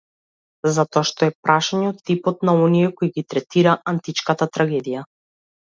Затоа што е прашање од типот на оние кои ги третира античката трагедија.